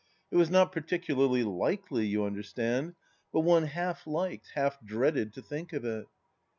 It was not particularly likefy, you under stand, but one half liked, half dreaded to think of it.